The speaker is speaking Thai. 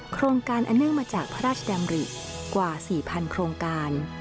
โครงการอันเนื่องมาจากพระราชดำริกว่า๔๐๐โครงการ